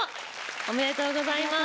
おめでとうございます。